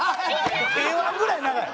Ｋ−１ぐらい長い。